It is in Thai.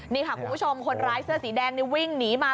นี่ค่ะคุณผู้ชมคนร้ายเสื้อสีแดงนี่วิ่งหนีมา